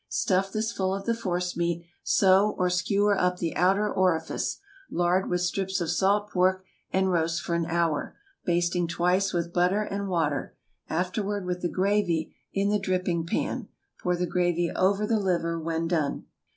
Stuff this full of the force meat, sew or skewer up the outer orifice; lard with strips of salt pork, and roast for an hour, basting twice with butter and water, afterward with the gravy in the dripping pan. Pour the gravy over the liver when done.